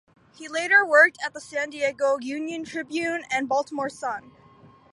He later worked at the "San Diego Union-Tribune" and "Baltimore Sun".